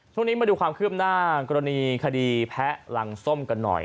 ตอนนี้มาดูของคืบหน้ากรณีคดีแผลลังส้มกันหน่อย